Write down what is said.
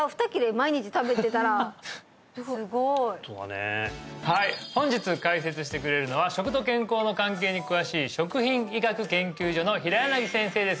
毎日食べてたらすごいホントだねはい本日解説してくれるのは食と健康の関係に詳しい食品医学研究所の平柳先生です